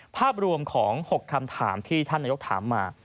ภาพรวมของ๖คำถามที่ท่านนายกถามมา